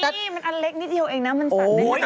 พี่มันอันเล็กนิดเดียวเองนะมันสั่นได้เลยเหรอ